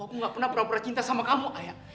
aku gak pernah pura pura cinta sama kamu ayah